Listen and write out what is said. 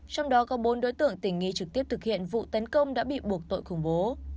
trong đó có bốn đối tượng tình nghi trực tiếp thực hiện vụ tấn công đã bị buộc tội khủng bố